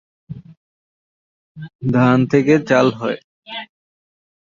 ধান থেকে চাল হয়।